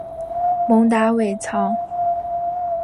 蒙达韦藏。